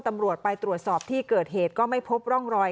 ตำรวจไปตรวจสอบที่เกิดเหตุก็ไม่พบร่องรอย